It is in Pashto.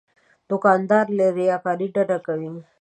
دوکاندار له ریاکارۍ ډډه کوي.